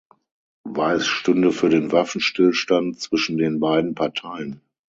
Weiß stünde für den Waffenstillstand zwischen den beiden Parteien.